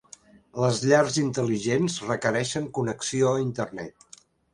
Les llars intel·ligents requereixen connexió a internet.